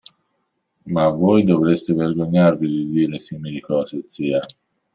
Ma voi dovreste vergognarvi di dire simili cose, zia.